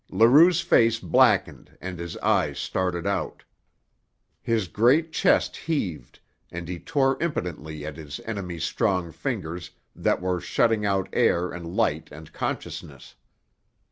Leroux's face blackened and his eyes started out. His great chest heaved, and he tore impotently at his enemy's strong fingers that were shutting out air and light and consciousness.